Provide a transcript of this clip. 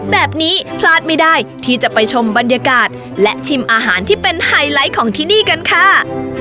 แบบนี้พลาดไม่ได้ที่จะไปชมบรรยากาศและชิมอาหารที่เป็นไฮไลท์ของที่นี่กันค่ะ